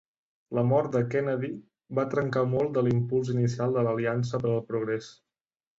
La mort de Kennedy va trencar molt de l'impuls inicial de l'Aliança per al Progrés.